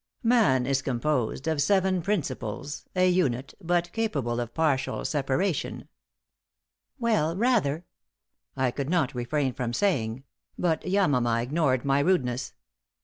"Man is composed of seven principles, a unit, but capable of partial separation." "Well, rather!" I could not refrain from saying, but Yamama ignored my rudeness.